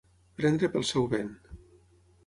Prendre pel seu vent.